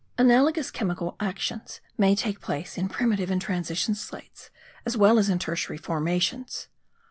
Analogous chemical actions may take place in primitive and transition slates as well as in tertiary formations.